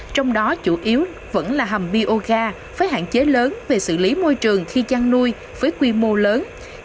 trong đó chủ yếu vẫn là hầm bioga với hạn chế lớn về xử lý môi trường khi chăn nuôi với quy mô lớn